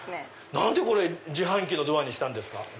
何で自販機のドアにしたんですか？